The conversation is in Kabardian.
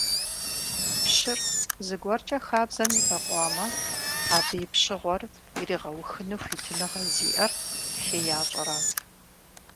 Пщыр зыгуэркӏэ хабзэм ебэкъуамэ, абы и пщыгъуэр иригъэухыну хуитыныгъэ зиӀэр хеящӀэрат.